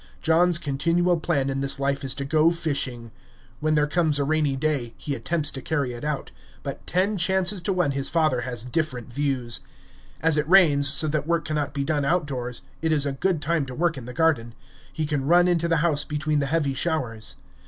John's continual plan in this life is to go fishing. When there comes a rainy day, he attempts to carry it out. But ten chances to one his father has different views. As it rains so that work cannot be done out doors, it is a good time to work in the garden. He can run into the house between the heavy showers.